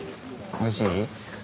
おいしい！